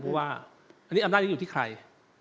เพราะว่าอันนี้อำนาจนี้อยู่ที่ใคร